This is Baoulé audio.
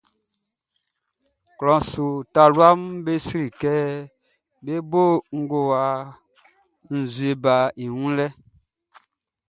Klɔ taluaʼm be sri kɛ bé bó ngowa nzue baʼn i wun lɛʼn.